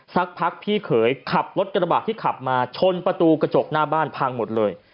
สักพักพี่เขยขับรถกระบะที่ขับมาชนประตูกระจกหน้าบ้านพังหมดเลย